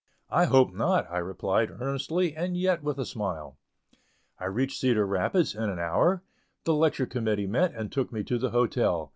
"I hope not!" I replied earnestly, and yet with a smile. I reached Cedar Rapids in an hour. The lecture committee met and took me to the hotel.